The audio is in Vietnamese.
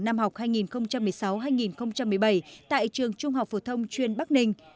năm học hai nghìn một mươi sáu hai nghìn một mươi bảy tại trường trung học phổ thông chuyên bắc ninh